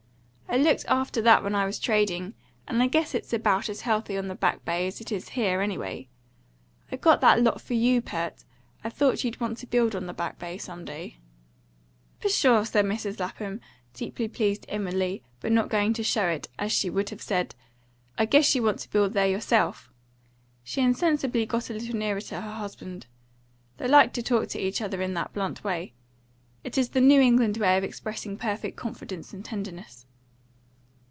"I looked after that when I was trading; and I guess it's about as healthy on the Back Bay as it is here, anyway. I got that lot for you, Pert; I thought you'd want to build on the Back Bay some day." "Pshaw!" said Mrs. Lapham, deeply pleased inwardly, but not going to show it, as she would have said. "I guess you want to build there yourself." She insensibly got a little nearer to her husband. They liked to talk to each other in that blunt way; it is the New England way of expressing perfect confidence and tenderness.